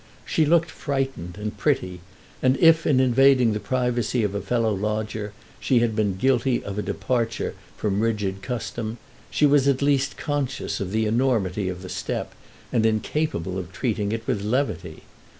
She looked frightened and pretty, and if, in invading the privacy of a fellow lodger, she had been guilty of a departure from rigid custom, she was at least conscious of the enormity of the step and incapable of treating it with levity.